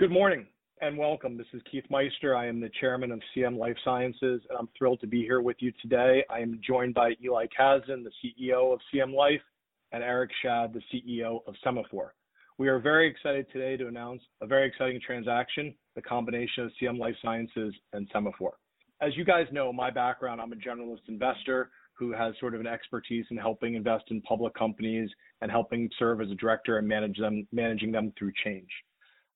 Good morning and welcome. This is Keith Meister. I am the Chairman of CM Life Sciences, and I'm thrilled to be here with you today. I am joined by Eli Casdin, the CEO of CM Life, and Eric Schadt, the CEO of Sema4. We are very excited today to announce a very exciting transaction, the combination of CM Life Sciences and Sema4. As you guys know, my background, I'm a generalist investor who has sort of an expertise in helping invest in public companies and helping serve as a director and managing them through change.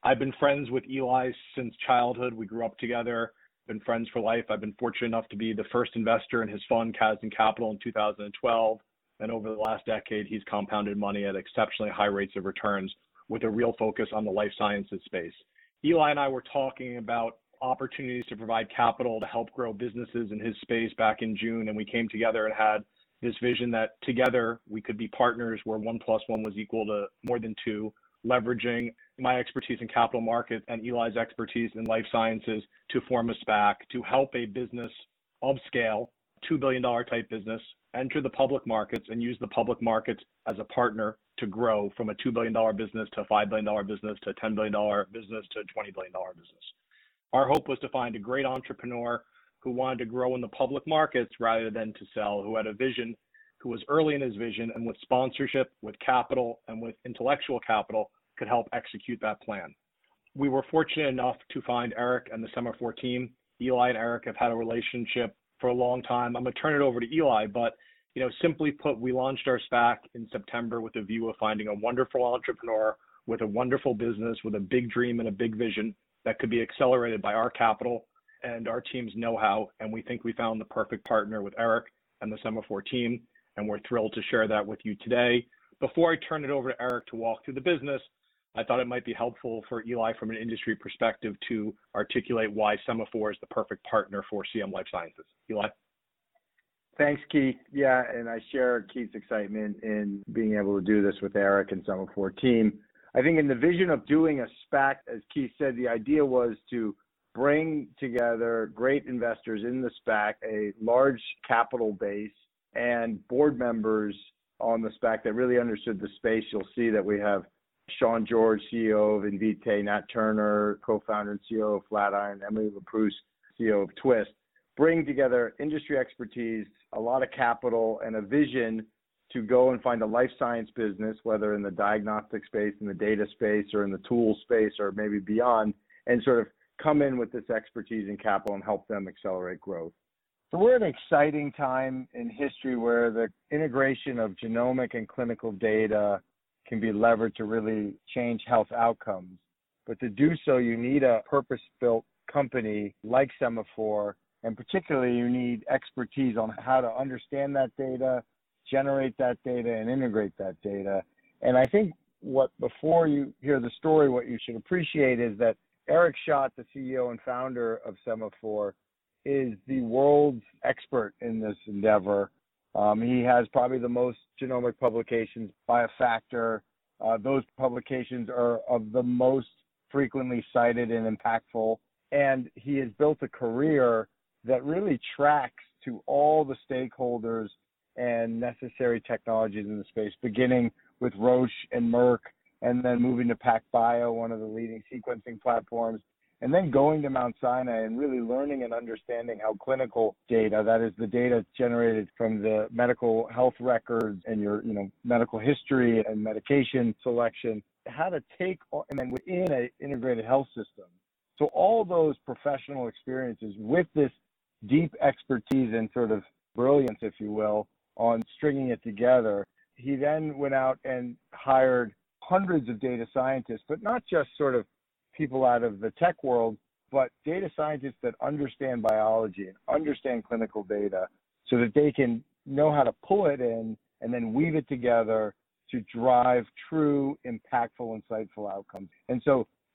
I've been friends with Eli since childhood. We grew up together, been friends for life. I've been fortunate enough to be the first investor in his fund, Casdin Capital, in 2012. Over the last decade, he's compounded money at exceptionally high rates of returns with a real focus on the life sciences space. Eli and I were talking about opportunities to provide capital to help grow businesses in his space back in June, and we came together and had this vision that together we could be partners where one plus one was equal to more than two, leveraging my expertise in capital markets and Eli's expertise in life sciences to form a SPAC, to help a business upscale, a $2 billion type business, enter the public markets and use the public markets as a partner to grow from a $2 billion business to a $5 billion business to a $10 billion business to a $20 billion business. Our hope was to find a great entrepreneur who wanted to grow in the public markets rather than to sell, who had a vision, who was early in his vision, and with sponsorship, with capital, and with intellectual capital, could help execute that plan. We were fortunate enough to find Eric and the Sema4 team. Eli and Eric have had a relationship for a long time. I'm going to turn it over to Eli. Simply put, we launched our SPAC in September with a view of finding a wonderful entrepreneur with a wonderful business, with a big dream and a big vision that could be accelerated by our capital and our team's know-how, and we think we found the perfect partner with Eric and the Sema4 team, and we're thrilled to share that with you today. Before I turn it over to Eric to walk through the business, I thought it might be helpful for Eli from an industry perspective to articulate why Sema4 is the perfect partner for CM Life Sciences. Eli? Thanks, Keith. I share Keith's excitement in being able to do this with Eric and Sema4 team. I think in the vision of doing a SPAC, as Keith said, the idea was to bring together great investors in the SPAC, a large capital base, and board members on the SPAC that really understood the space. You'll see that we have Sean George, CEO of Invitae, Nat Turner, co-founder and CEO of Flatiron, Emily LeProust, CEO of Twist, bringing together industry expertise, a lot of capital, and a vision to go and find a life science business, whether in the diagnostic space, in the data space, or in the tool space, or maybe beyond, and sort of come in with this expertise and capital and help them accelerate growth. We're at an exciting time in history where the integration of genomic and clinical data can be leveraged to really change health outcomes. To do so, you need a purpose-built company like Sema4, and particularly, you need expertise on how to understand that data, generate that data, and integrate that data. I think before you hear the story, what you should appreciate is that Eric Schadt, the CEO and founder of Sema4, is the world's expert in this endeavor. He has probably the most genomic publications by a factor. Those publications are of the most frequently cited and impactful. He has built a career that really tracks to all the stakeholders and necessary technologies in the space, beginning with Roche and Merck, and then moving to PacBio, one of the leading sequencing platforms, and then going to Mount Sinai and really learning and understanding how clinical data, that is the data generated from the medical health records and your medical history and medication selection, and then within an integrated health system. All those professional experiences with this deep expertise and sort of brilliance, if you will, on stringing it together, he then went out and hired hundreds of data scientists, but not just sort of people out of the tech world, but data scientists that understand biology and understand clinical data so that they can know how to pull it in and then weave it together to drive true, impactful, insightful outcomes.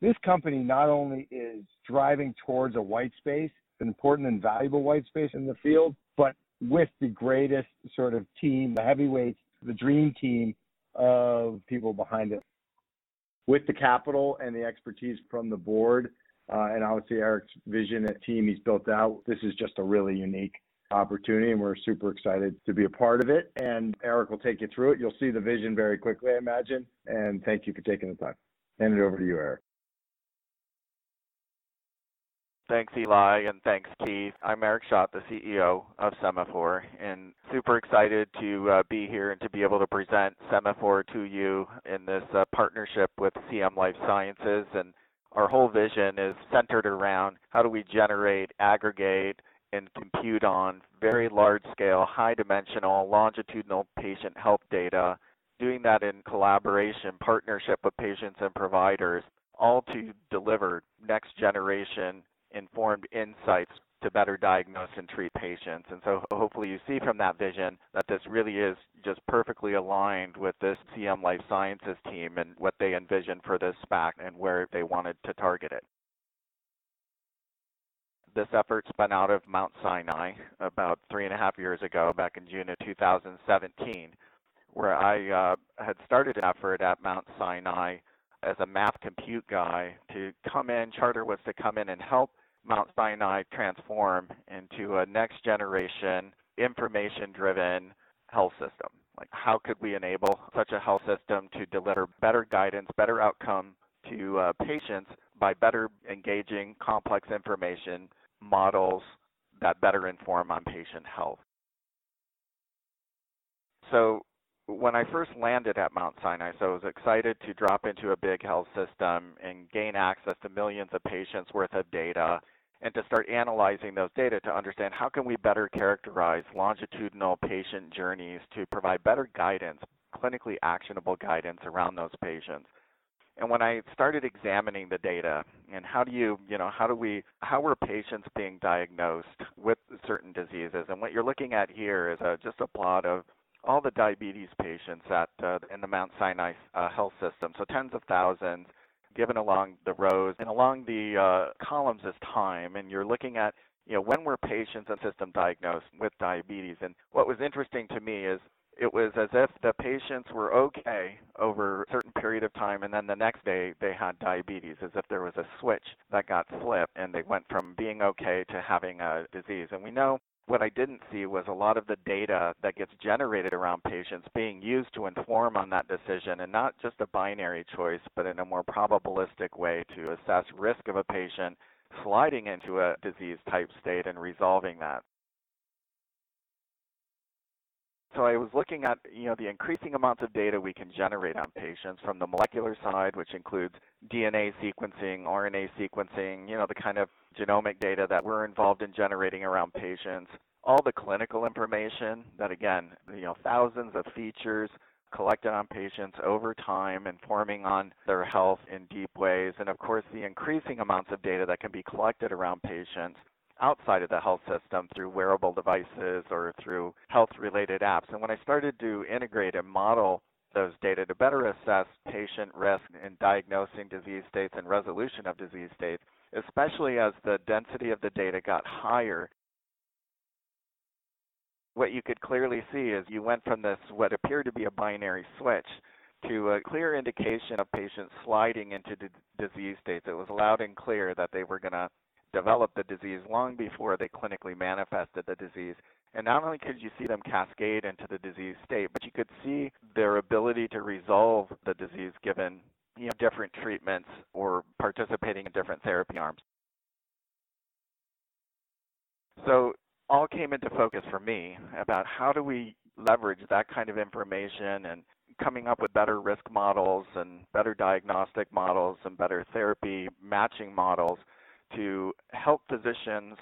This company not only is driving towards a white space, an important and valuable white space in the field, but with the greatest sort of team, the heavyweights, the dream team of people behind it. With the capital and the expertise from the board, and obviously Eric's vision and team he's built out, this is just a really unique opportunity, and we're super excited to be a part of it. Eric will take you through it. You'll see the vision very quickly, I imagine. Thank you for taking the time. Hand it over to you, Eric. Thanks, Eli, and thanks, Keith. I'm Eric Schadt, the CEO of Sema4, and super excited to be here and to be able to present Sema4 to you in this partnership with CM Life Sciences. Our whole vision is centered around how do we generate, aggregate, and compute on very large scale, high dimensional, longitudinal patient health data, doing that in collaboration, partnership with patients and providers, all to deliver next-generation informed insights to better diagnose and treat patients. Hopefully you see from that vision that this really is just perfectly aligned with this CM Life Sciences team and what they envision for this SPAC and where they wanted to target it. This effort spun out of Mount Sinai about three and a half years ago, back in June of 2017, where I had started an effort at Mount Sinai as a multiscale compute guy to come in, charter was to come in and help Mount Sinai transform into a next-generation information-driven health system. How could we enable such a health system to deliver better guidance, better outcome to patients by better engaging complex information models that better inform on patient health? When I first landed at Mount Sinai, I was excited to drop into a big health system and gain access to millions of patients' worth of data, and to start analyzing those data to understand how can we better characterize longitudinal patient journeys to provide better guidance, clinically actionable guidance, around those patients. When I started examining the data, and how were patients being diagnosed with certain diseases. What you're looking at here is just a plot of all the diabetes patients in the Mount Sinai health system, so tens of thousands given along the rows, and along the columns is time. You're looking at when were patients in system diagnosed with diabetes. What was interesting to me is it was as if the patients were okay over a certain period of time, and then the next day they had diabetes, as if there was a switch that got flipped, and they went from being okay to having a disease. We know what I didn't see was a lot of the data that gets generated around patients being used to inform on that decision, and not just a binary choice, but in a more probabilistic way to assess risk of a patient sliding into a disease type state and resolving that. I was looking at the increasing amounts of data we can generate on patients from the molecular side, which includes DNA sequencing, RNA sequencing, the kind of genomic data that we're involved in generating around patients. All the clinical information that, again, thousands of features collected on patients over time, informing on their health in deep ways. Of course, the increasing amounts of data that can be collected around patients outside of the health system through wearable devices or through health-related apps. When I started to integrate and model those data to better assess patient risk in diagnosing disease states and resolution of disease states, especially as the density of the data got higher, what you could clearly see is you went from this, what appeared to be a binary switch, to a clear indication of patients sliding into disease states. It was loud and clear that they were going to develop the disease long before they clinically manifested the disease. Not only could you see them cascade into the disease state, but you could see their ability to resolve the disease given different treatments or participating in different therapy arms. All came into focus for me about how do we leverage that kind of information and coming up with better risk models and better diagnostic models and better therapy matching models to help physicians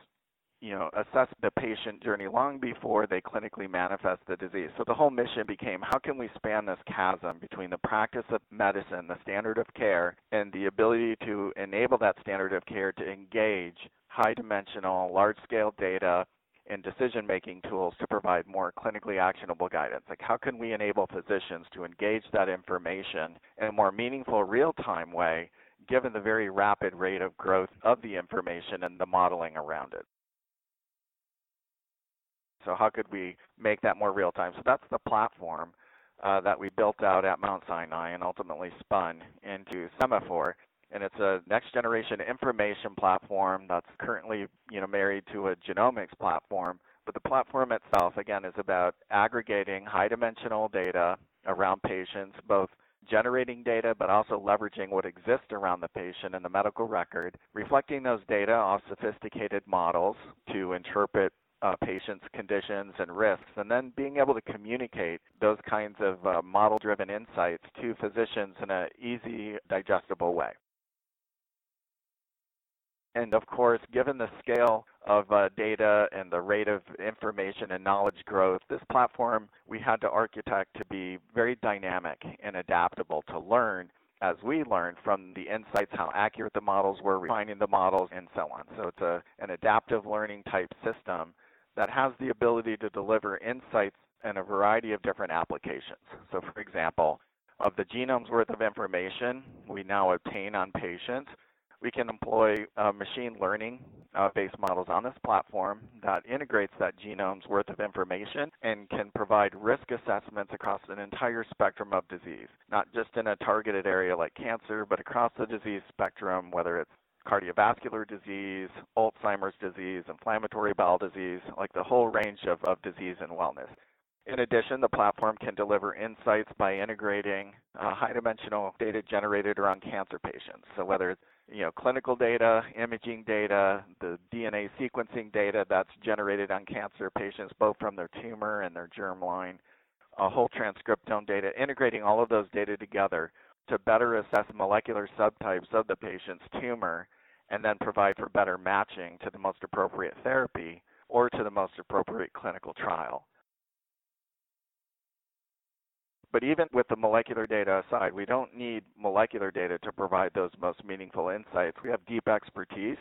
assess the patient journey long before they clinically manifest the disease. The whole mission became how can we span this chasm between the practice of medicine, the standard of care, and the ability to enable that standard of care to engage high-dimensional, large-scale data and decision-making tools to provide more clinically actionable guidance. How can we enable physicians to engage that information in a more meaningful, real-time way, given the very rapid rate of growth of the information and the modeling around it. How could we make that more real-time? That's the platform that we built out at Mount Sinai and ultimately spun into Sema4. It's a next-generation information platform that's currently married to a genomics platform. The platform itself, again, is about aggregating high-dimensional data around patients, both generating data, but also leveraging what exists around the patient in the medical record, reflecting those data off sophisticated models to interpret a patient's conditions and risks, and then being able to communicate those kinds of model-driven insights to physicians in an easy, digestible way. Of course, given the scale of data and the rate of information and knowledge growth, this platform, we had to architect to be very dynamic and adaptable to learn as we learn from the insights, how accurate the models were, refining the models, and so on. It's an adaptive learning type system that has the ability to deliver insights in a variety of different applications. For example, of the genome's worth of information we now obtain on patients, we can employ machine learning-based models on this platform that integrates that genome's worth of information and can provide risk assessments across an entire spectrum of disease, not just in a targeted area like cancer, but across the disease spectrum, whether it's cardiovascular disease, Alzheimer's disease, inflammatory bowel disease, the whole range of disease and wellness. In addition, the platform can deliver insights by integrating high-dimensional data generated around cancer patients. Whether it's clinical data, imaging data, the DNA sequencing data that's generated on cancer patients, both from their tumor and their germline, whole transcriptome data, integrating all of those data together to better assess molecular subtypes of the patient's tumor, and then provide for better matching to the most appropriate therapy or to the most appropriate clinical trial. Even with the molecular data aside, we don't need molecular data to provide those most meaningful insights. We have deep expertise.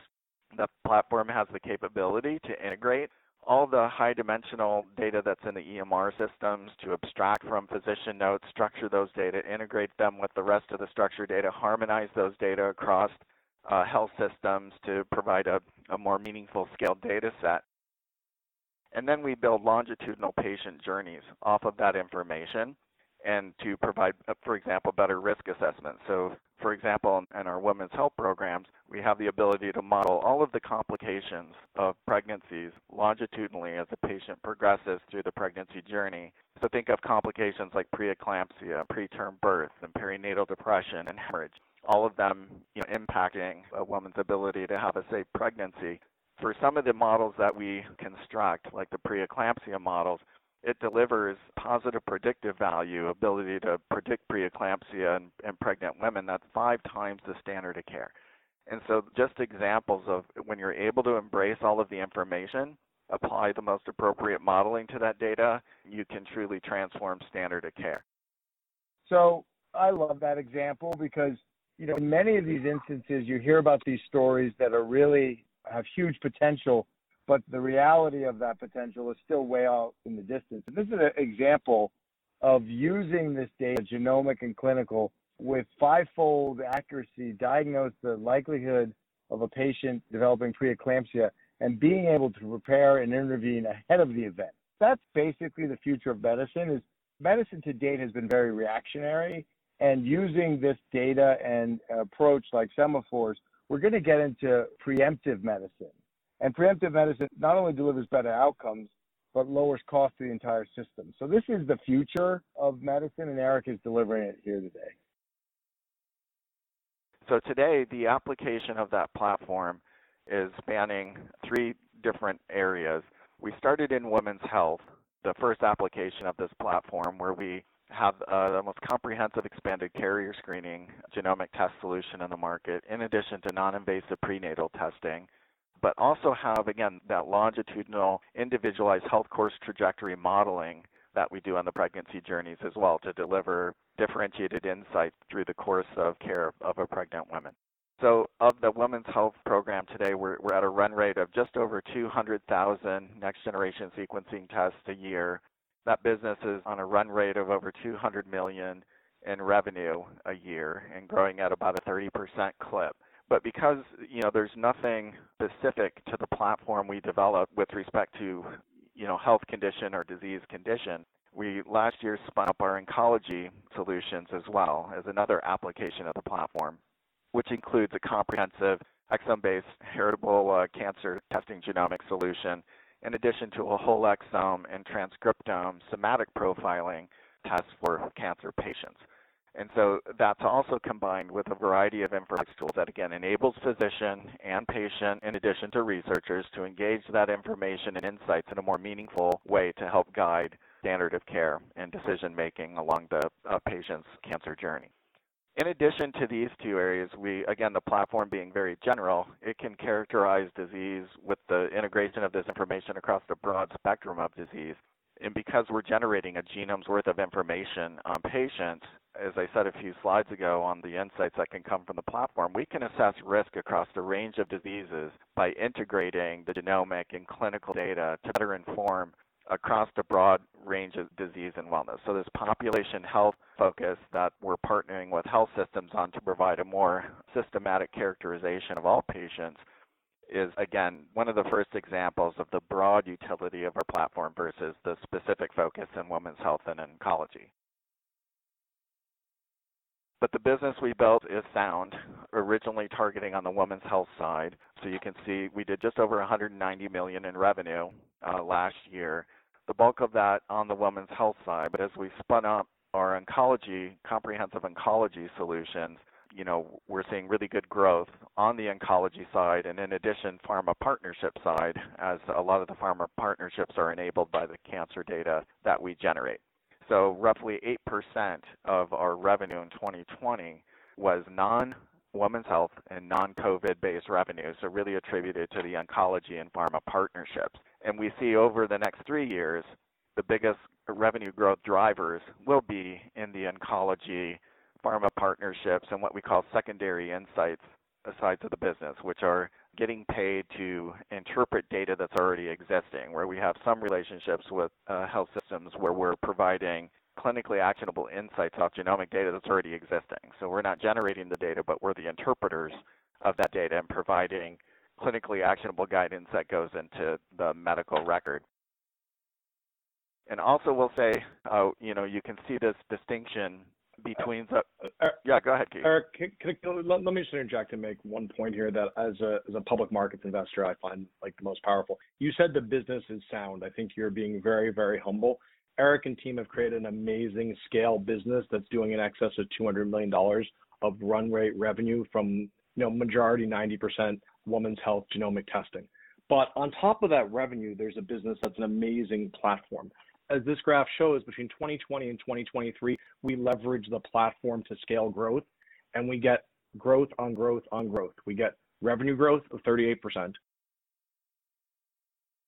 The platform has the capability to integrate all the high-dimensional data that's in the EMR systems to abstract from physician notes, structure those data, integrate them with the rest of the structured data, harmonize those data across health systems to provide a more meaningful scale data set. Then we build longitudinal patient journeys off of that information. To provide, for example, better risk assessments. For example, in our women's health programs, we have the ability to model all of the complications of pregnancies longitudinally as a patient progresses through the pregnancy journey. Think of complications like preeclampsia, preterm birth, and perinatal depression and hemorrhage, all of them impacting a woman's ability to have a safe pregnancy. For some of the models that we construct, like the preeclampsia models, it delivers positive predictive value, ability to predict preeclampsia in pregnant women, that's five times the standard of care. Just examples of when you're able to embrace all of the information, apply the most appropriate modeling to that data, you can truly transform standard of care. I love that example because in many of these instances, you hear about these stories that really have huge potential, but the reality of that potential is still way off in the distance. This is an example of using this data, genomic and clinical, with fivefold accuracy, diagnose the likelihood of a patient developing preeclampsia, and being able to prepare and intervene ahead of the event. That's basically the future of medicine, is medicine to date has been very reactionary, and using this data and approach like Sema4's, we're going to get into preemptive medicine. Preemptive medicine not only delivers better outcomes but lowers cost to the entire system. This is the future of medicine, and Eric is delivering it here today. Today, the application of that platform is spanning three different areas. We started in women's health, the first application of this platform, where we have the most comprehensive expanded carrier screening genomic test solution on the market, in addition to non-invasive prenatal testing. Also have, again, that longitudinal individualized health course trajectory modeling that we do on the pregnancy journeys as well to deliver differentiated insights through the course of care of a pregnant woman. Of the Women's Health Program today, we're at a run rate of just over 200,000 next-generation sequencing tests a year. That business is on a run rate of over $200 million in revenue a year and growing at about a 30% clip. Because there's nothing specific to the platform we developed with respect to health condition or disease condition, we last year spun up our oncology solutions as well as another application of the platform, which includes a comprehensive exome-based heritable cancer testing genomic solution, in addition to a whole exome and transcriptome somatic profiling test for cancer patients. That's also combined with a variety of informatics tools that, again, enables physician and patient, in addition to researchers, to engage that information and insights in a more meaningful way to help guide standard of care and decision-making along the patient's cancer journey. In addition to these two areas, we, again, the platform being very general, it can characterize disease with the integration of this information across the broad spectrum of disease. Because we're generating a genome's worth of information on patients, as I said a few slides ago, on the insights that can come from the platform, we can assess risk across the range of diseases by integrating the genomic and clinical data to better inform across the broad range of disease and wellness. This population health focus that we're partnering with health systems on to provide a more systematic characterization of all patients is, again, one of the first examples of the broad utility of our platform versus the specific focus in women's health and in oncology. The business we built is sound, originally targeting on the women's health side. You can see we did just over $190 million in revenue last year, the bulk of that on the women's health side. As we spun up our comprehensive oncology solutions, we're seeing really good growth on the oncology side and in addition, pharma partnership side, as a lot of the pharma partnerships are enabled by the cancer data that we generate. Roughly 8% of our revenue in 2020 was non-women's health and non-COVID-based revenue, really attributed to the oncology and pharma partnerships. We see over the next three years, the biggest revenue growth drivers will be in the oncology pharma partnerships and what we call secondary insights sides of the business, which are getting paid to interpret data that's already existing, where we have some relationships with health systems, where we're providing clinically actionable insights off genomic data that's already existing. We're not generating the data, but we're the interpreters of that data and providing clinically actionable guidance that goes into the medical record. Also we'll say, you can see this distinction between the. Yeah, go ahead, Keith. Eric, let me just interject and make one point here that as a public markets investor, I find the most powerful. You said the business is sound. I think you're being very, very humble. Eric and team have created an amazing scale business that's doing in excess of $200 million of run-rate revenue from majority 90% women's health genomic testing. On top of that revenue, there's a business that's an amazing platform. As this graph shows, between 2020 and 2023, we leverage the platform to scale growth, and we get growth on growth on growth. We get revenue growth of 38%.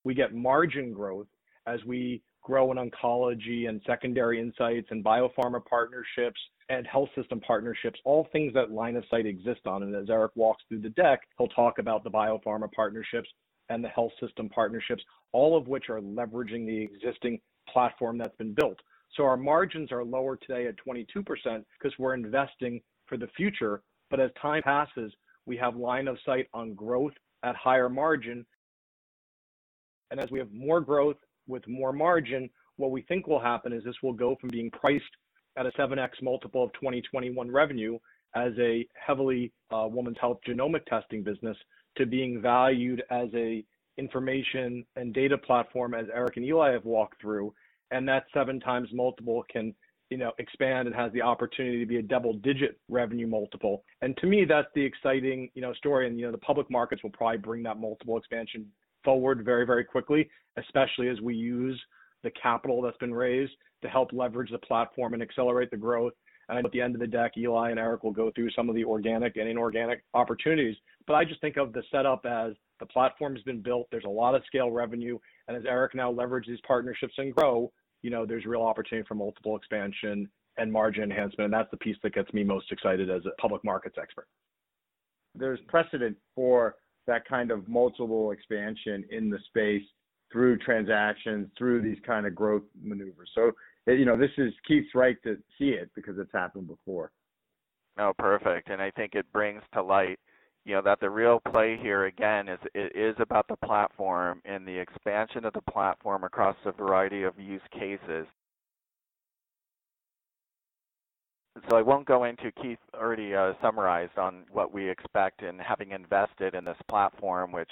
We get margin growth as we grow in oncology and secondary multiple insights and biopharma partnerships and health system partnerships, all things that line of sight exist on. As Eric walks through the deck, he'll talk about the biopharma partnerships and the health system partnerships, all of which are leveraging the existing platform that's been built. Our margins are lower today at 22% because we're investing for the future. As time passes, we have line of sight on growth at higher margin. As we have more growth with more margin, what we think will happen is this will go from being priced at a 7x multiple of 2021 revenue as a heavily women's health genomic testing business, to being valued as an information and data platform as Eric and Eli have walked through. That seven times multiple can expand and has the opportunity to be a double-digit revenue multiple. To me, that's the exciting story. The public markets will probably bring that multiple expansion forward very quickly, especially as we use the capital that's been raised to help leverage the platform and accelerate the growth. At the end of the deck, Eli and Eric will go through some of the organic and inorganic opportunities. I just think of the setup as, the platform's been built. There's a lot of scale revenue. As Eric now leverages partnerships and grow, there's real opportunity for multiple expansion and margin enhancement, and that's the piece that gets me most excited as a public markets expert. There's precedent for that kind of multiple expansion in the space through transactions, through these kinds of growth maneuvers. Keith's right to see it, because it's happened before. Oh, perfect. I think it brings to light that the real play here, again, is about the platform and the expansion of the platform across a variety of use cases. Keith already summarized on what we expect in having invested in this platform, which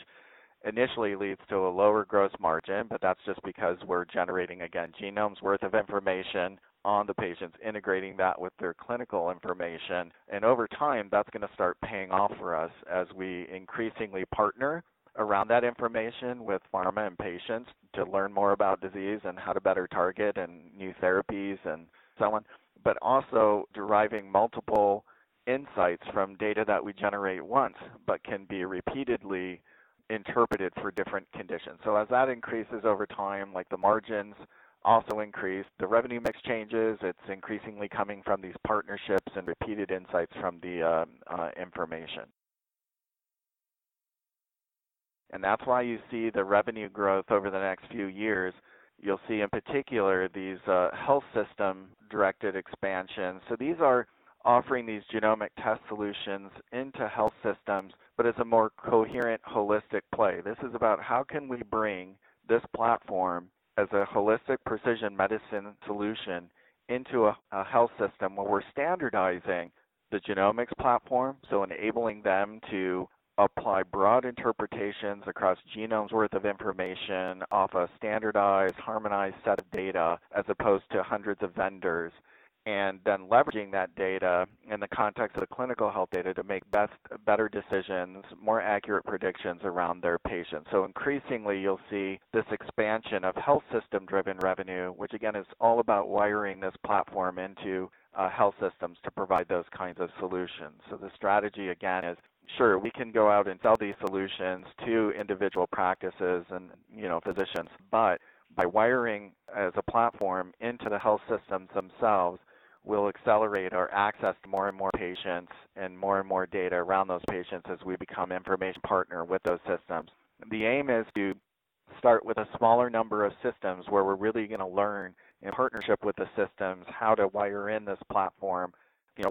initially leads to a lower gross margin, but that's just because we're generating, again, genomes worth of information on the patients, integrating that with their clinical information. Over time, that's going to start paying off for us as we increasingly partner around that information with pharma and patients to learn more about disease and how to better target and new therapies and so on, but also deriving multiple insights from data that we generate once but can be repeatedly interpreted for different conditions. As that increases over time, the margins also increase, the revenue mix changes. It's increasingly coming from these partnerships and repeated insights from the information. That's why you see the revenue growth over the next few years. You'll see in particular, these health system-directed expansions. These are offering these genomic test solutions into health systems, but as a more coherent, holistic play. This is about how can we bring this platform as a holistic precision medicine solution into a health system where we're standardizing the genomics platform, so enabling them to apply broad interpretations across genomes worth of information off a standardized, harmonized set of data as opposed to hundreds of vendors, and then leveraging that data in the context of the clinical health data to make better decisions, more accurate predictions around their patients. Increasingly, you'll see this expansion of health system-driven revenue, which again, is all about wiring this platform into health systems to provide those kinds of solutions. The strategy, again, is sure, we can go out and sell these solutions to individual practices and physicians, but by wiring as a platform into the health systems themselves, we'll accelerate our access to more and more patients and more and more data around those patients as we become information partner with those systems. The aim is to start with a smaller number of systems where we're really going to learn in partnership with the systems how to wire in this platform.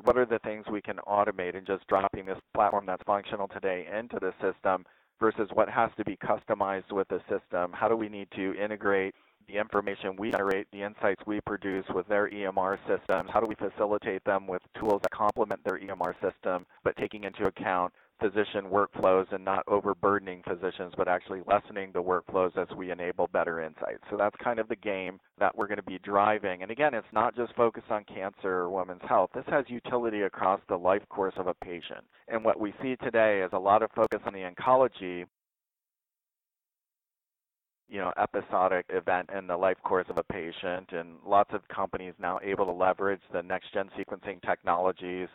What are the things we can automate and just dropping this platform that's functional today into the system, versus what has to be customized with the system? How do we need to integrate the information we generate, the insights we produce with their EMR systems? How do we facilitate them with tools that complement their EMR system, but taking into account physician workflows and not overburdening physicians, but actually lessening the workflows as we enable better insights? That's the game that we're going to be driving. Again, it's not just focused on cancer or women's health. This has utility across the life course of a patient. What we see today is a lot of focus on the oncology, episodic event in the life course of a patient, and lots of companies now able to leverage the next gen sequencing technologies,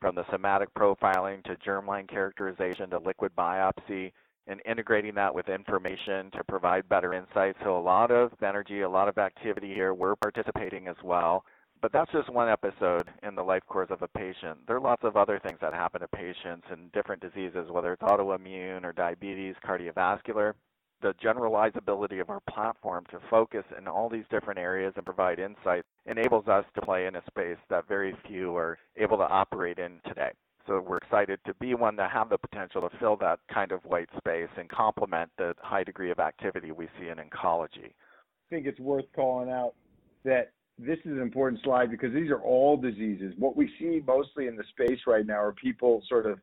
from the somatic profiling to germline characterization to liquid biopsy, and integrating that with information to provide better insights. A lot of energy, a lot of activity here. We're participating as well. That's just one episode in the life course of a patient. There are lots of other things that happen to patients and different diseases, whether it's autoimmune or diabetes, cardiovascular. The generalizability of our platform to focus in all these different areas and provide insights enables us to play in a space that very few are able to operate in today. We're excited to be one to have the potential to fill that kind of white space and complement the high degree of activity we see in oncology. I think it's worth calling out that this is an important slide because these are all diseases. What we see mostly in the space right now are people sort of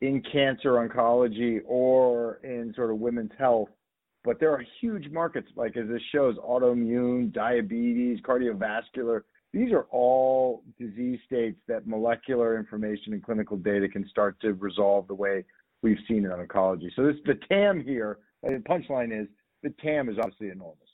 in cancer oncology or in women's health, but there are huge markets, like as this shows, autoimmune, diabetes, cardiovascular. These are all disease states that molecular information and clinical data can start to resolve the way we've seen it on oncology. The TAM here, and the punchline is, the TAM is obviously enormous.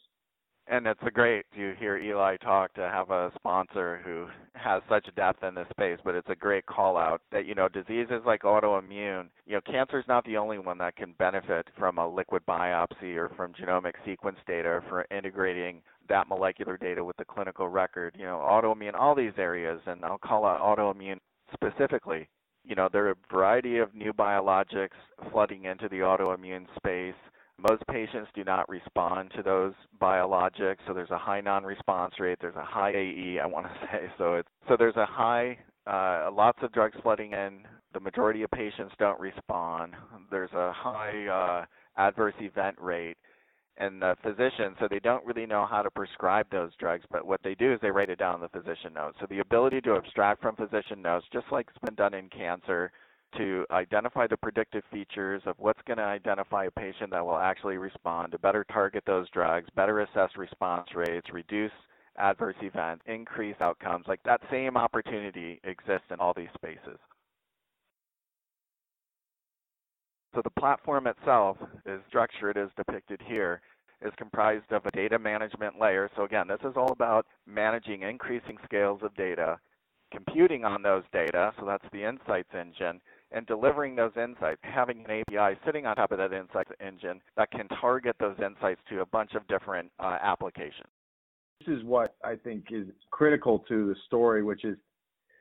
It's great to hear Eli Casdin talk to have a sponsor who has such depth in this space, but it's a great call-out that diseases like autoimmune, cancer's not the only one that can benefit from a liquid biopsy or from genomic sequence data for integrating that molecular data with a clinical record. Autoimmune, all these areas. I'll call out autoimmune specifically. There are a variety of new biologics flooding into the autoimmune space. Most patients do not respond to those biologics, so there's a high non-response rate. There's a high AE, I want to say. There's lots of drugs flooding in. The majority of patients don't respond. There's a high adverse event rate. The physicians, so they don't really know how to prescribe those drugs, but what they do is they write it down in the physician notes. The ability to abstract from physician notes, just like it's been done in cancer, to identify the predictive features of what's going to identify a patient that will actually respond, to better target those drugs, better assess response rates, reduce adverse events, increase outcomes, like that same opportunity exists in all these spaces. The platform itself is structured as depicted here, is comprised of a data management layer. Again, this is all about managing increasing scales of data, computing on those data, so that's the insights engine, and delivering those insights, having an API sitting on top of that insights engine that can target those insights to a bunch of different applications. This is what I think is critical to the story, which is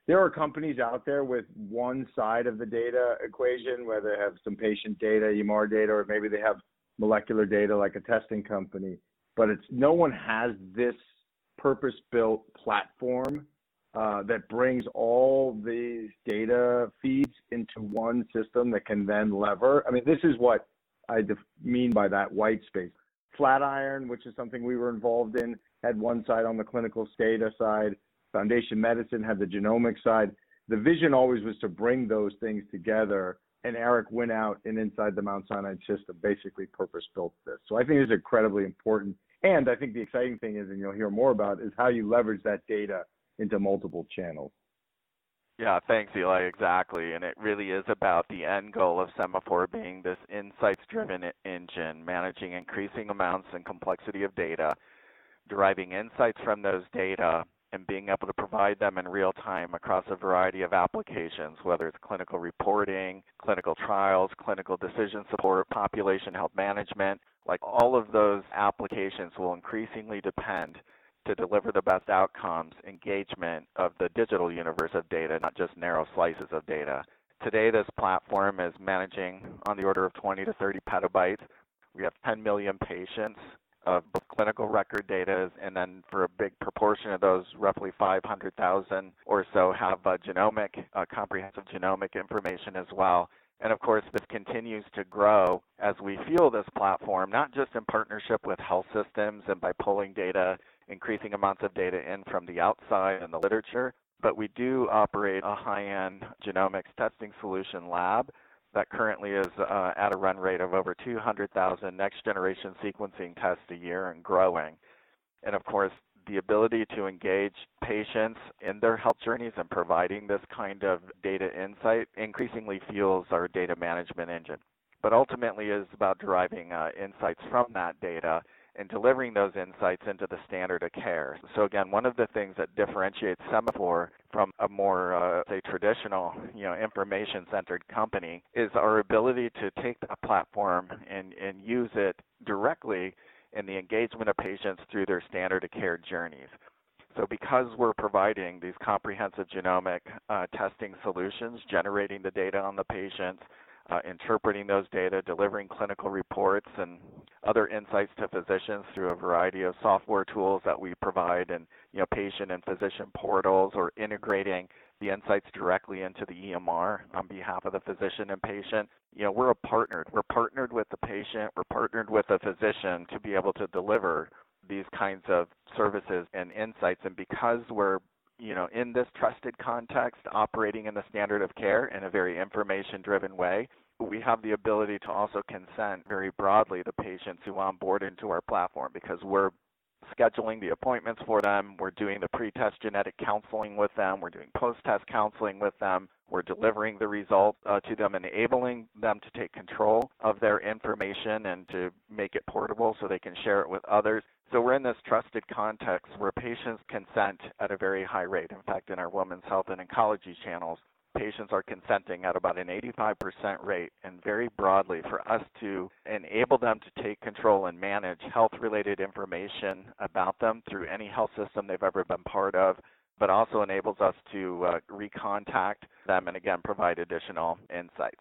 there are companies out there with one side of the data equation, where they have some patient data, EMR data, or maybe they have molecular data, like a testing company. No one has this purpose-built platform that brings all these data feeds into one system that can then lever. This is what I mean by that white space. Flatiron, which is something we were involved in, had one side on the clinical status side. Foundation Medicine had the genomic side. The vision always was to bring those things together, and Eric went out and inside the Mount Sinai system, basically purpose-built this. I think this is incredibly important, and I think the exciting thing is, and you'll hear more about, is how you leverage that data into multiple channels. Yeah. Thanks, Eli. Exactly. It really is about the end goal of Sema4 being this insights-driven engine, managing increasing amounts and complexity of data, deriving insights from those data, and being able to provide them in real time across a variety of applications, whether it's clinical reporting, clinical trials, clinical decision support, or population health management. All of those applications will increasingly depend to deliver the best outcomes engagement of the digital universe of data, not just narrow slices of data. Today, this platform is managing on the order of 20 to 30 petabytes. We have 10 million patients of both clinical record data, and then for a big proportion of those, roughly 500,000 or so have comprehensive genomic information as well. Of course, this continues to grow as we fuel this platform, not just in partnership with health systems and by pulling data, increasing amounts of data in from the outside and the literature, but we do operate a high-end genomics testing solution lab that currently is at a run rate of over 200,000 next-generation sequencing tests a year and growing. Of course, the ability to engage patients in their health journeys and providing this kind of data insight increasingly fuels our data management engine. Ultimately, it's about deriving insights from that data and delivering those insights into the standard of care. Again, one of the things that differentiates Sema4 from a more, say, traditional multiple information-centered company is our ability to take that platform and use it directly in the engagement of patients through their standard of care journeys. Because we're providing these comprehensive genomic testing solutions, generating the data on the patients, interpreting those data, delivering clinical reports and other insights to physicians through a variety of software tools that we provide, and patient and physician portals, or integrating the insights directly into the EMR on behalf of the physician and patient. We're a partner. We're partnered with the patient, we're partnered with the physician to be able to deliver these kinds of services and insights. Because we're in this trusted context, operating in the standard of care in a very information-driven way, we have the ability to also consent very broadly the patients who onboard into our platform, because we're scheduling the appointments for them, we're doing the pre-test genetic counseling with them, we're doing post-test counseling with them. We're delivering the results to them, enabling them to take control of their information and to make it portable so they can share it with others. We're in this trusted context where patients consent at a very high rate. In fact, in our women's health and oncology channels, patients are consenting at about an 85% rate, and very broadly for us to enable them to take control and manage health-related information about them through any health system they've ever been part of. Also enables us to recontact them, and again, provide additional insights.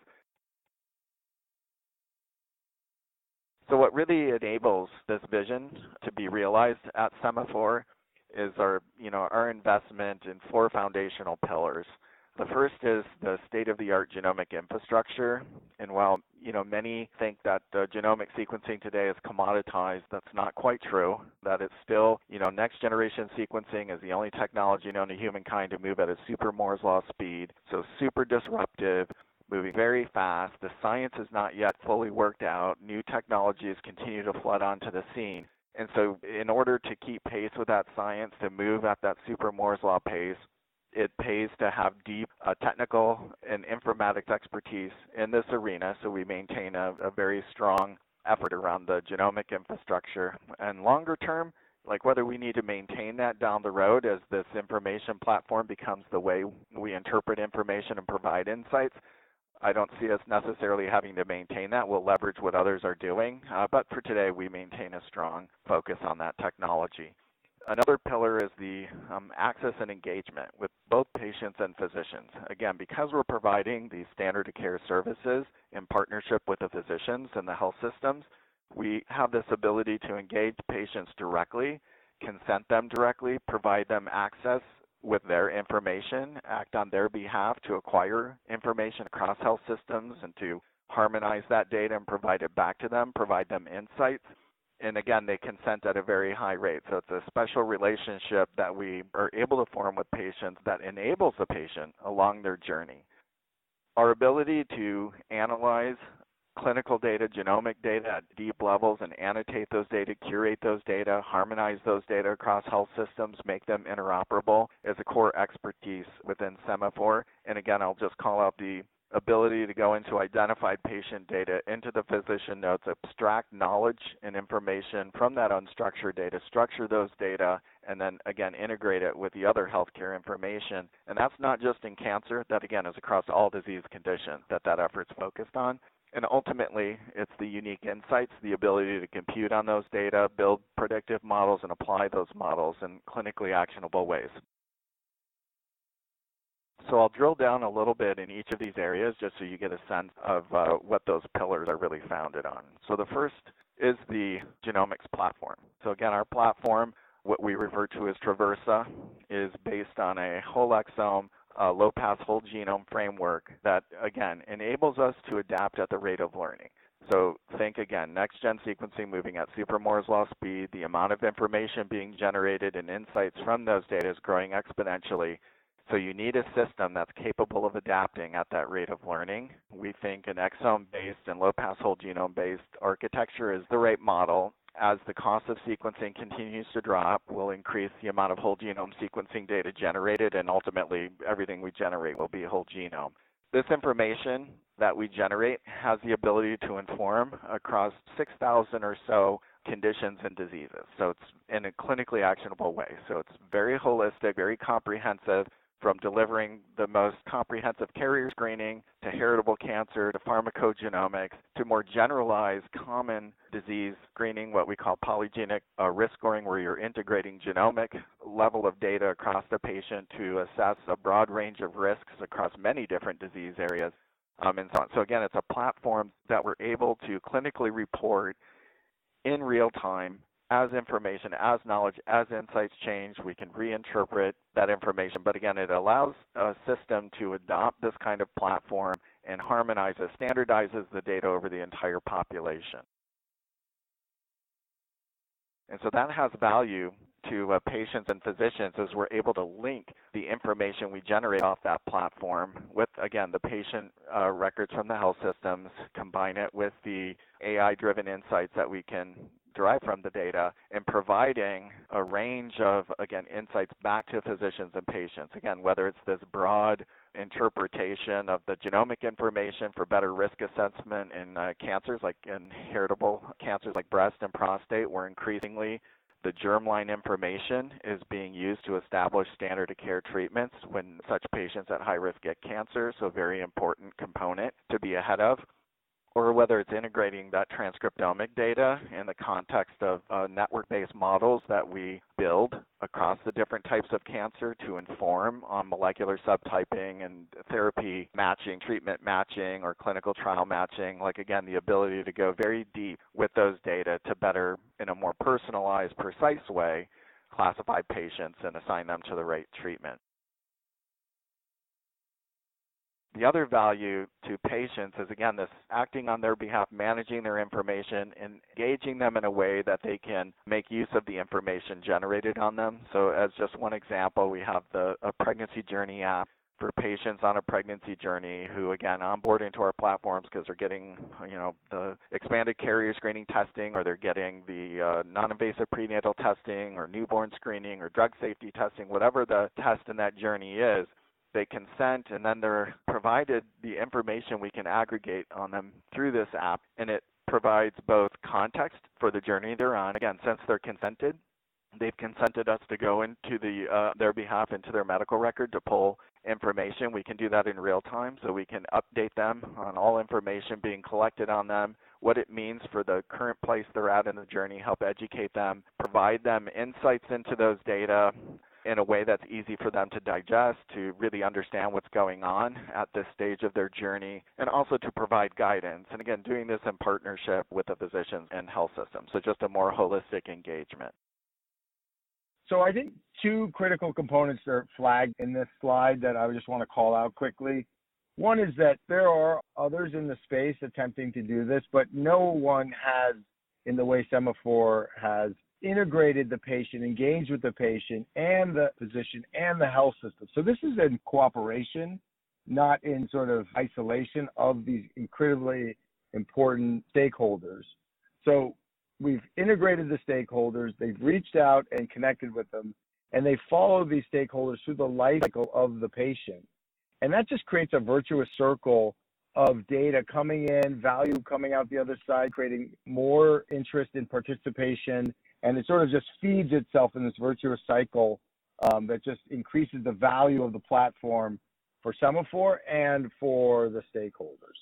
What really enables this vision to be realized at Sema4 is our investment in four foundational pillars. The first is the state-of-the-art genomic infrastructure. While many think that the genomic sequencing today is commoditized, that's not quite true. It's still, next-generation sequencing is the only technology known to humankind to move at a super Moore's law speed. Super disruptive, moving very fast. The science is not yet fully worked out. New technologies continue to flood onto the scene. In order to keep pace with that science, to move at that super Moore's law pace, it pays to have deep technical and informatics expertise in this arena, so we maintain a very strong effort around the genomic infrastructure. Longer term, whether we need to maintain that down the road as this information platform becomes the way we interpret information and provide insights, I don't see us necessarily having to maintain that. We'll leverage what others are doing. For today, we maintain a strong focus on that technology. Another pillar is the access and engagement with both patients and physicians. Because we're providing these standard of care services in partnership with the physicians and the health systems, we have this ability to engage patients directly, consent them directly, provide them access with their information, act on their behalf to acquire information across health systems and to harmonize that data and provide it back to them, provide them insights. Again, they consent at a very high rate. It's a special relationship that we are able to form with patients that enables the patient along their journey. Our ability to analyze clinical data, genomic data at deep levels and annotate those data, curate those data, harmonize those data across health systems, make them interoperable, is a core expertise within Sema4. Again, I'll just call out the ability to go into identified patient data, into the physician notes, abstract knowledge and information from that unstructured data, structure those data, and then again, integrate it with the other healthcare information. That's not just in cancer. That, again, is across all disease conditions that effort's focused on. Ultimately, it's the unique insights, the ability to compute on those data, build predictive models, and apply those models in clinically actionable ways. I'll drill down a little bit in each of these areas just so you get a sense of what those pillars are really founded on. The first is the genomics platform. Again, our platform, what we refer to as Traversa, is based on a whole exome, low-pass whole genome framework that, again, enables us to adapt at the rate of learning. Think again, next-gen sequencing moving at super Moore's law speed, the amount of information being generated and insights from those data is growing exponentially. You need a system that's capable of adapting at that rate of learning. We think an exome-based and low-pass whole genome-based architecture is the right model. As the cost of sequencing continues to drop, we'll increase the amount of whole genome sequencing data generated, and ultimately, everything we generate will be whole genome. This information that we generate has the ability to inform across 6,000 or so conditions and diseases, so it's in a clinically actionable way. It's very holistic, very comprehensive, from delivering the most comprehensive carrier screening to heritable cancer to pharmacogenomics to more generalized common disease screening, what we call polygenic risk scoring, where you're integrating genomic level of data across the patient to assess a broad range of risks across many different disease areas, and so on. Again, it's a platform that we're able to clinically report in real time as information, as knowledge, as insights change. We can reinterpret that information. Again, it allows a system to adopt this kind of platform and harmonizes, standardizes the data over the entire population. That has value to patients and physicians as we're able to link the information we generate off that platform with, again, the patient records from the health systems, combine it with the AI-driven insights that we can derive from the data, and providing a range of, again, insights back to physicians and patients. Whether it's this broad interpretation of the genomic information for better risk assessment in cancers like in heritable cancers like breast and prostate, where increasingly the germline information is being used to establish standard of care treatments when such patients at high risk get cancer, so very important component to be ahead of. Whether it's integrating that transcriptomic data in the context of network-based models that we build across the different types of cancer to inform on molecular subtyping and therapy matching, treatment matching, or clinical trial matching. Like again, the ability to go very deep with those data to better, in a more personalized, precise way, classify patients and assign them to the right treatment. The other value to patients is, again, this acting on their behalf, managing their information, engaging them in a way that they can make use of the information generated on them. As just one example, we have a pregnancy journey app for patients on a pregnancy journey who, again, onboard into our platforms because they're getting the expanded carrier screening testing, or they're getting the non-invasive prenatal testing or newborn screening or drug safety testing, whatever the test in that journey is, they consent, and then they're provided the information we can aggregate on them through this app, and it provides both context for the journey they're on. Since they're consented, they've consented us to go on their behalf into their medical record to pull information. We can do that in real time, so we can update them on all information being collected on them, what it means for the current place they're at in the journey, help educate them, provide them insights into those data in a way that's easy for them to digest to really understand what's going on at this stage of their journey, and also to provide guidance. Again, doing this in partnership with the physicians and health system. Just a more holistic engagement. I think two critical components are flagged in this slide that I just want to call out quickly. One is that there are others in the space attempting to do this, but no one has in the way Sema4 has integrated the patient, engaged with the patient and the physician and the health system. This is in cooperation, not in sort of isolation of these incredibly important stakeholders. We've integrated the stakeholders, they've reached out and connected with them, and they follow these stakeholders through the life of the patient. That just creates a virtuous circle of data coming in, value coming out the other side, creating more interest in participation, and it sort of just feeds itself in this virtuous cycle that just increases the value of the platform for Sema4 and for the stakeholders.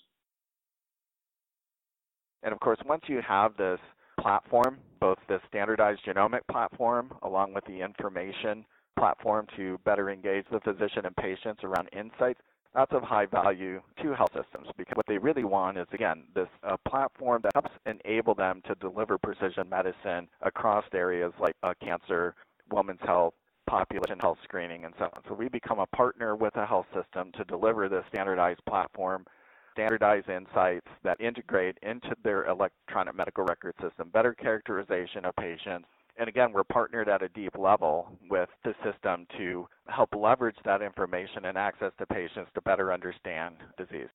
Of course, once you have this platform, both the standardized genomic platform along with the information platform to better engage the physician and patients around insights, that's of high value to health systems. What they really want is, again, this platform that helps enable them to deliver precision medicine across areas like cancer, women's health, population health screening, and so on. We become a partner with a health system to deliver the standardized platform, standardized insights that integrate into their electronic medical record system, better characterization of patients. Again, we're partnered at a deep level with the system to help leverage that information and access to patients to better understand disease.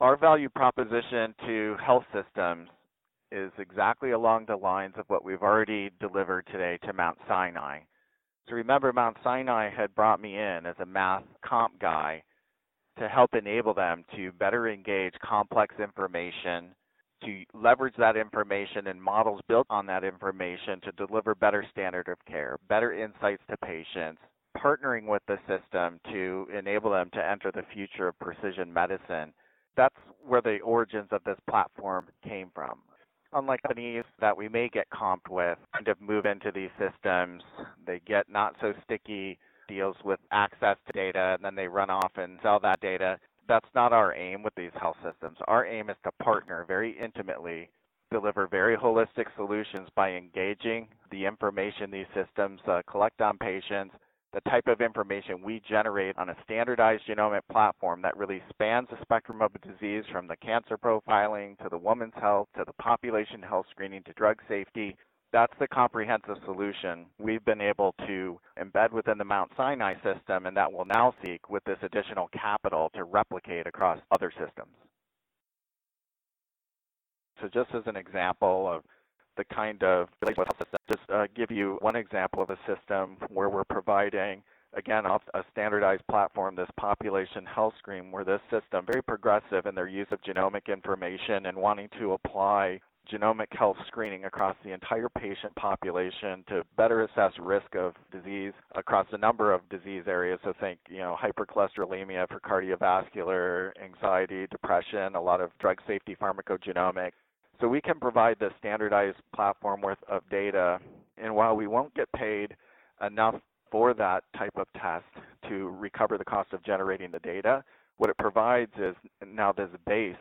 Our value proposition to health systems is exactly along the lines of what we've already delivered today to Mount Sinai. Remember, Mount Sinai had brought me in as a multiscale guy to help enable them to better engage complex information, to leverage that information, and models built on that information to deliver better standard of care, better insights to patients, partnering with the system to enable them to enter the future of precision medicine. That's where the origins of this platform came from. Unlike companies that we may get comped with, move into these systems, they get not so sticky deals with access to data, and then they run off and sell that data. That's not our aim with these health systems. Our aim is to partner very intimately, deliver very holistic solutions by engaging the information these systems collect on patients, the type of information we generate on a standardized genomic platform that really spans the spectrum of a disease, from the cancer profiling to the woman's health, to the population health screening, to drug safety. That's the comprehensive solution we've been able to embed within the Mount Sinai system, and that we'll now seek with this additional capital to replicate across other systems. Just as an example of the kind of relationship with health systems, just give you one example of a system where we're providing, again, a standardized platform, this population health screen, where this system, very progressive in their use of genomic information and wanting to apply genomic health screening across the entire patient population to better assess risk of disease across a number of disease areas. Think hypercholesterolemia for cardiovascular, anxiety, depression, a lot of drug safety, pharmacogenomics. We can provide the standardized platform worth of data, and while we won't get paid enough for that type of test to recover the cost of generating the data, what it provides is now there's a base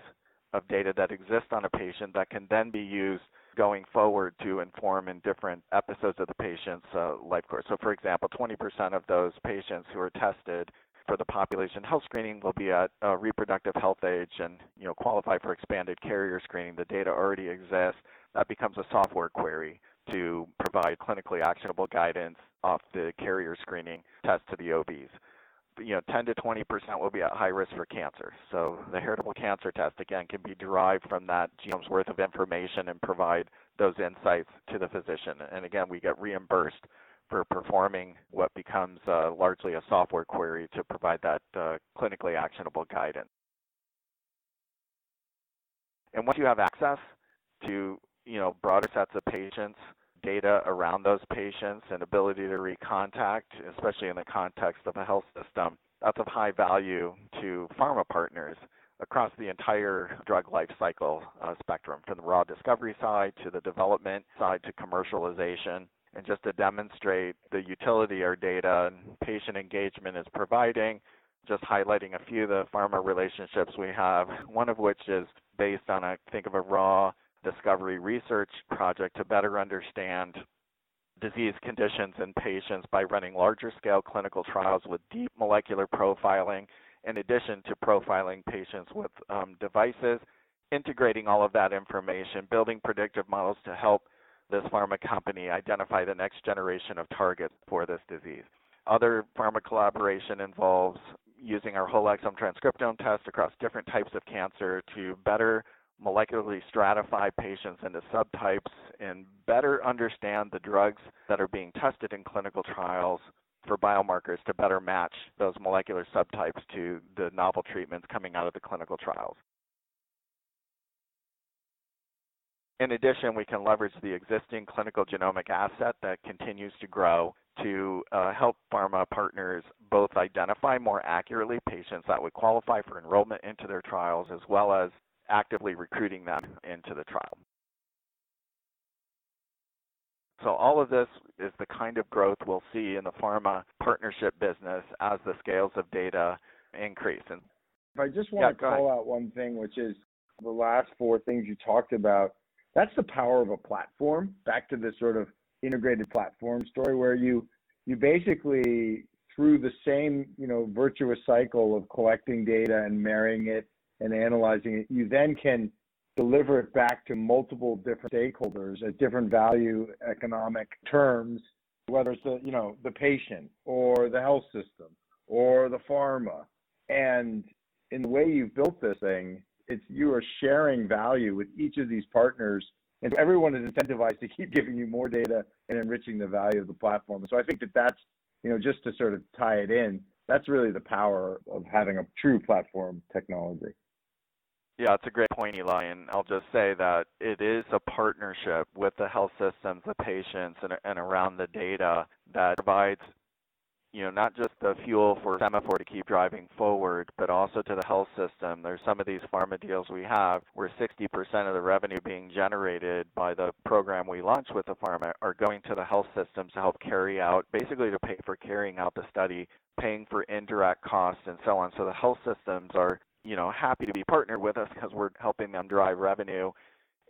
of data that exists on a patient that can then be used going forward to inform in different episodes of the patient's life course. For example, 20% of those patients who are tested for the population health screening will be at a reproductive health age and qualify for expanded carrier screening. The data already exists. That becomes a software query to provide clinically actionable guidance off the carrier screening test to the OBs. 10%-20% will be at high risk for cancer. The heritable cancer test, again, can be derived from that genome's worth of information and provide those insights to the physician. Again, we get reimbursed for performing what becomes largely a software query to provide that clinically actionable guidance. Once you have access to broader sets of patients, data around those patients, and ability to recontact, especially in the context of a health system, that's of high value to pharma partners across the entire drug life cycle spectrum, from the raw discovery side to the development side to commercialization. Just to demonstrate the utility our data and patient engagement is providing, just highlighting a few of the pharma relationships we have, one of which is based on a, think of a raw discovery research project to better understand disease conditions in patients by running larger scale clinical trials with deep molecular profiling, in addition to profiling patients with devices, integrating all of that information, building predictive models to help this pharma company identify the next generation of targets for this disease. Other pharma collaboration involves using our whole exome transcriptome test across different types of cancer to better molecularly stratify patients into subtypes, and better understand the drugs that are being tested in clinical trials for biomarkers to better match those molecular subtypes to the novel treatments coming out of the clinical trials. In addition, we can leverage the existing clinical genomic asset that continues to grow to help pharma partners both identify more accurately patients that would qualify for enrollment into their trials, as well as actively recruiting them into the trial. All of this is the kind of growth we'll see in the pharma partnership business as the scales of data increase and. I just want to Yeah, go ahead. --call out one thing, which is the last four things you talked about. That's the power of a platform. Back to the sort of integrated platform story where you basically, through the same virtuous cycle of collecting data and marrying it and analyzing it, you then can deliver it back to multiple different stakeholders at different value economic terms, whether it's the patient or the health system or the pharma. In the way you've built this thing, you are sharing value with each of these partners, and everyone is incentivized to keep giving you more data and enriching the value of the platform. I think that that's, just to sort of tie it in, that's really the power of having a true platform technology. It's a great point, Eli, and I'll just say that it is a partnership with the health systems, the patients, and around the data that provides not just the fuel for Sema4 to keep driving forward, but also to the health system. There's some of these pharma deals we have where 60% of the revenue being generated by the program we launch with the pharma are going to the health systems to help carry out, basically to pay for carrying out the study, paying for indirect costs, and so on. The health systems are happy to be partnered with us because we're helping them drive revenue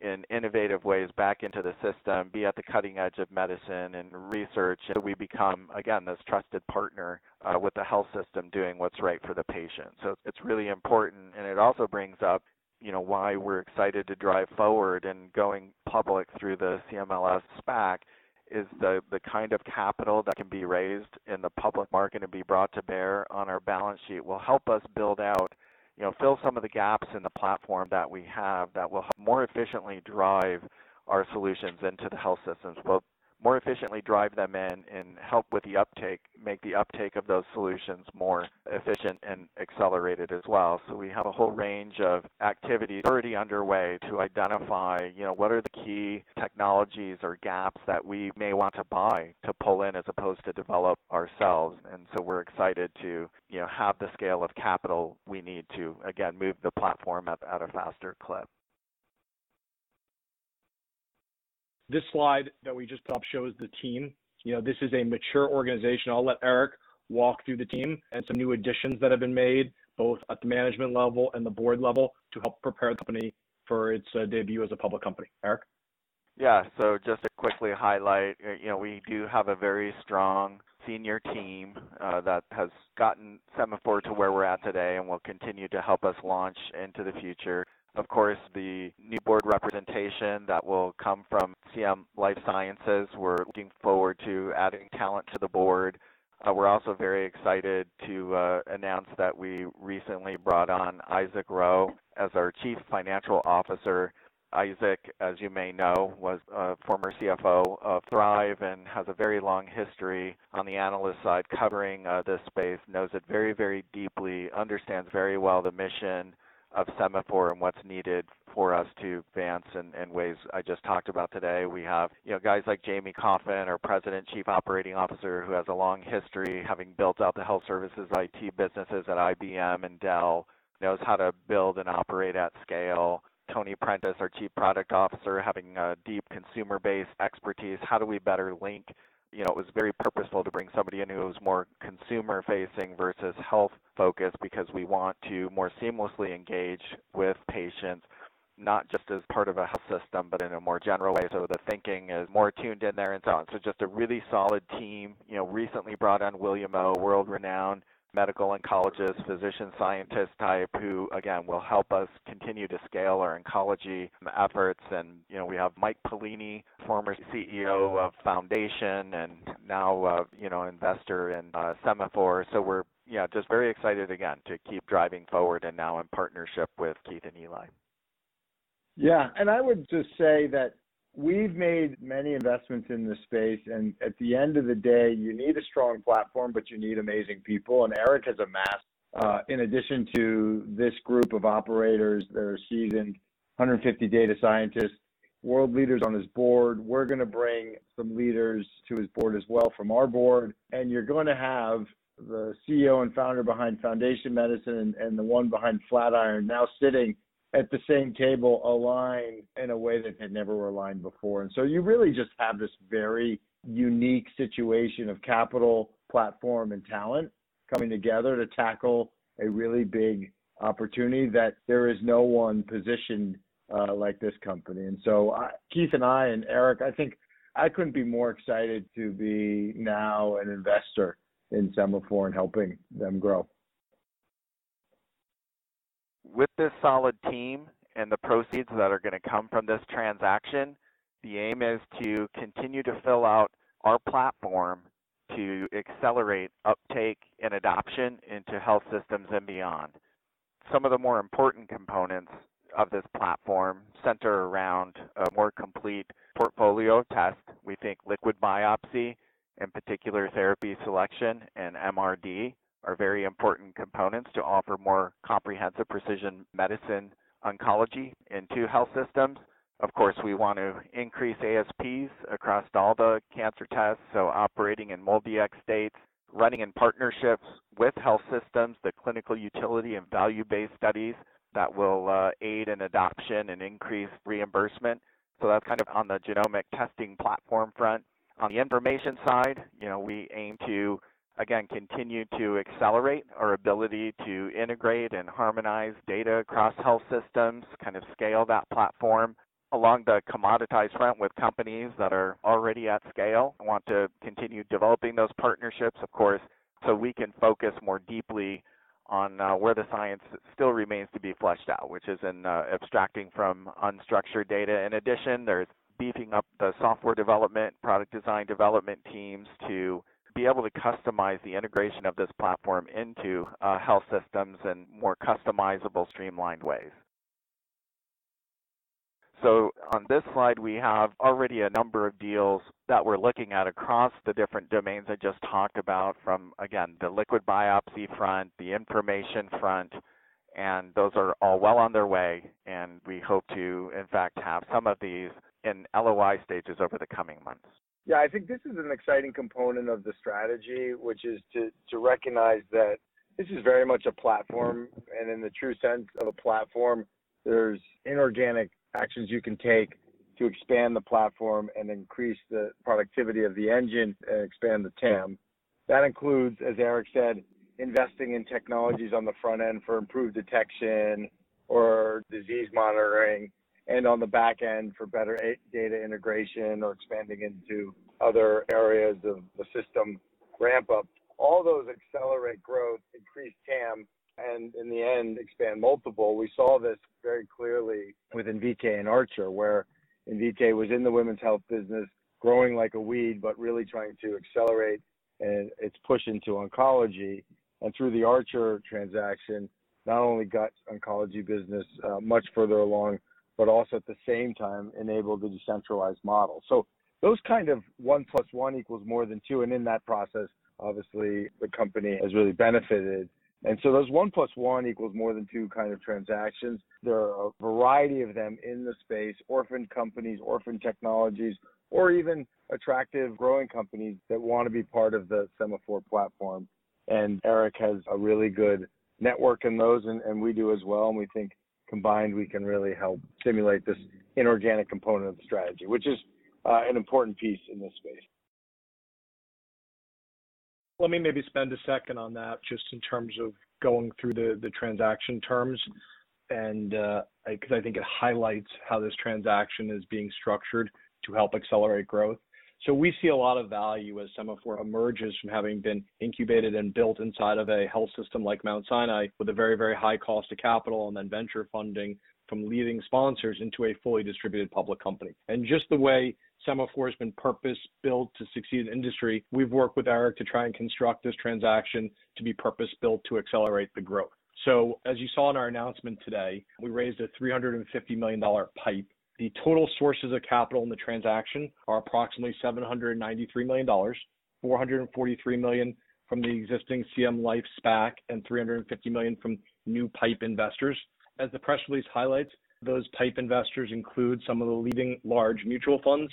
in innovative ways back into the system, be at the cutting edge of medicine and research. We become, again, this trusted partner with the health system doing what's right for the patient. It's really important, and it also brings up, you know, why we're excited to drive forward and going public through the CMLS SPAC is the kind of capital that can be raised in the public market and be brought to bear on our balance sheet will help us build out, fill some of the gaps in the platform that we have that will more efficiently drive our solutions into the health systems. We'll more efficiently drive them in and help with the uptake, make the uptake of those solutions more efficient and accelerated as well. We have a whole range of activities already underway to identify what are the key technologies or gaps that we may want to buy to pull in as opposed to develop ourselves. We're excited to have the scale of capital we need to, again, move the platform at a faster clip. This slide that we just put up shows the team. This is a mature organization. I'll let Eric walk through the team and some new additions that have been made, both at the management level and the board level, to help prepare the company for its debut as a public company. Eric? Just to quickly highlight, we do have a very strong senior team that has gotten Sema4 to where we're at today and will continue to help us launch into the future. Of course, the new board representation that will come from CM Life Sciences, we're looking forward to adding talent to the board. We're also very excited to announce that we recently brought on Isaac Ro as our Chief Financial Officer. Isaac, as you may know, was a former CFO of Thrive and has a very long history on the analyst side, covering this space, knows it very deeply, understands very well the mission of Sema4 and what's needed for us to advance in ways I just talked about today. We have guys like Jamie Coffin, our President, Chief Operating Officer, who has a long history having built out the health services IT businesses at IBM and Dell, knows how to build and operate at scale. Tony Prentice, our Chief Product Officer, having a deep consumer base expertise. It was very purposeful to bring somebody in who was more consumer facing versus health focused because we want to more seamlessly engage with patients, not just as part of a health system, but in a more general way. The thinking is more tuned in there and so on. Just a really solid team. Recently brought on William Oh, world renowned medical oncologist, physician scientist type, who, again, will help us continue to scale our oncology efforts. We have Mike Pellini, former CEO of Foundation and now an investor in Sema4. We're just very excited, again, to keep driving forward and now in partnership with Keith and Eli. Yeah. I would just say that we've made many investments in this space, at the end of the day, you need a strong platform, but you need amazing people. Eric has amassed, in addition to this group of operators that are seasoned, 150 data scientists, world leaders on his board. We're going to bring some leaders to his board as well from our board, you're going to have the CEO and founder behind Foundation Medicine and the one behind Flatiron now sitting at the same table aligned in a way that had never aligned before. You really just have this very unique situation of capital, platform, and talent coming together to tackle a really big opportunity that there is no one positioned like this company. Keith and I and Eric, I think I couldn't be more excited to be now an investor in Sema4 and helping them grow. With this solid team and the proceeds that are going to come from this transaction, the aim is to continue to fill out our platform to accelerate uptake and adoption into health systems and beyond. Some of the more important components of this platform center around a more complete portfolio of tests. We think liquid biopsy, in particular therapy selection and MRD, are very important components to offer more comprehensive precision medicine oncology into health systems. Of course, we want to increase ASPs across all the cancer tests, operating in multiple states, running in partnerships with health systems, the clinical utility and value-based studies that will aid in adoption and increase reimbursement. That's kind of on the genomic testing platform front. On the information side, we aim to, again, continue to accelerate our ability to integrate and harmonize data across health systems, kind of scale that platform. Along the commoditized front with companies that are already at scale and want to continue developing those partnerships, of course, so we can focus more deeply on where the science still remains to be fleshed out, which is in abstracting from unstructured data. In addition, there's beefing up the software development, product design development teams to be able to customize the integration of this platform into health systems in more customizable, streamlined ways. On this slide, we have already a number of deals that we're looking at across the different domains I just talked about from, again, the liquid biopsy front, the information front, and those are all well on their way, and we hope to, in fact, have some of these in LOI stages over the coming months. Yeah, I think this is an exciting component of the strategy, which is to recognize that this is very much a platform, and in the true sense of a platform, there's inorganic actions you can take to expand the platform and increase the productivity of the engine and expand the TAM. That includes, as Eric said, investing in technologies on the front end for improved detection or disease monitoring and on the back end for better data integration or expanding into other areas of the system ramp up. All those accelerate growth, increase TAM, and in the end, expand multiple. We saw this very clearly with Invitae and ArcherDX, where Invitae was in the women's health business growing like a weed, but really trying to accelerate its push into oncology. Through the ArcherDX transaction, not only got oncology business much further along, but also at the same time, enabled the decentralized model. Those kind of one plus one equals more than two, and in that process, obviously, the company has really benefited. Those one plus one equals more than two kind of transactions, there are a variety of them in the space, orphan companies, orphan technologies, or even attractive growing companies that want to be part of the Sema4 platform. Eric has a really good network in those, and we do as well, and we think combined, we can really help stimulate this inorganic component of the strategy, which is an important piece in this space. Let me maybe spend a second on that just in terms of going through the transaction terms, because I think it highlights how this transaction is being structured to help accelerate growth. We see a lot of value as Sema4 emerges from having been incubated and built inside of a health system like Mount Sinai with a very, very high cost of capital, and then venture funding from leading sponsors into a fully distributed public company. Just the way Sema4 has been purpose-built to succeed in the industry, we've worked with Eric to try and construct this transaction to be purpose-built to accelerate the growth. As you saw in our announcement today, we raised a $350 million PIPE. The total sources of capital in the transaction are approximately $793 million, $443 million from the existing CM Life SPAC, and $350 million from new PIPE investors. As the press release highlights, those PIPE investors include some of the leading large mutual funds,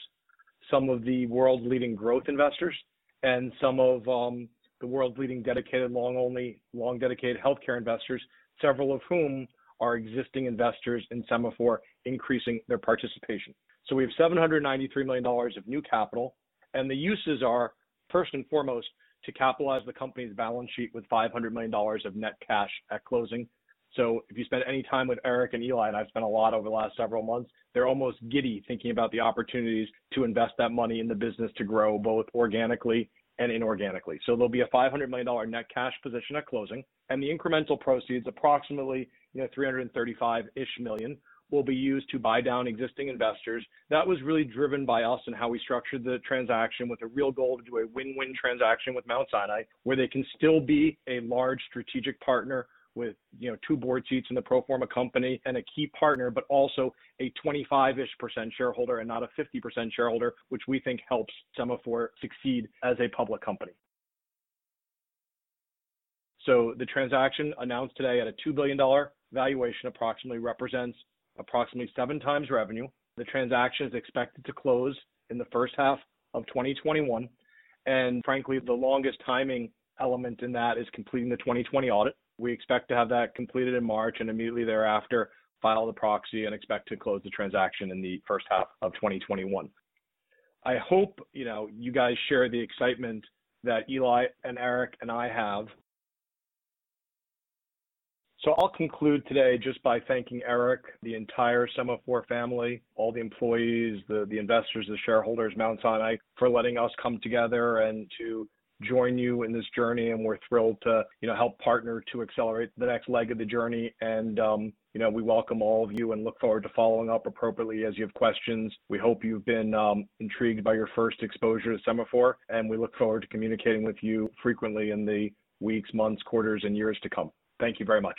some of the world's leading growth investors, and some of the world's leading dedicated long-only, long dedicated healthcare investors, several of whom are existing investors in Sema4, increasing their participation. We have $793 million of new capital, and the uses are first and foremost, to capitalize the company's balance sheet with $500 million of net cash at closing. If you spend any time with Eric and Eli, and I've spent a lot over the last several months, they're almost giddy thinking about the opportunities to invest that money in the business to grow both organically and inorganically. There'll be a $500 million net cash position at closing, and the incremental proceeds, approximately $335-ish million, will be used to buy down existing investors. That was really driven by us and how we structured the transaction with a real goal to do a win-win transaction with Mount Sinai, where they can still be a large strategic partner with two board seats in the pro forma company and a key partner, but also a 25-ish% shareholder and not a 50% shareholder, which we think helps Sema4 succeed as a public company. The transaction announced today at a $2 billion valuation approximately represents approximately 7x revenue. The transaction is expected to close in the first half of 2021. Frankly, the longest timing element in that is completing the 2020 audit. We expect to have that completed in March and immediately thereafter, file the proxy and expect to close the transaction in the first half of 2021. I hope you guys share the excitement that Eli and Eric and I have. I'll conclude today just by thanking Eric, the entire Sema4 family, all the employees, the investors, the shareholders, Mount Sinai, for letting us come together and to join you in this journey, and we're thrilled to help partner to accelerate the next leg of the journey. We welcome all of you and look forward to following up appropriately as you have questions. We hope you've been intrigued by your first exposure to Sema4, and we look forward to communicating with you frequently in the weeks, months, quarters, and years to come. Thank you very much.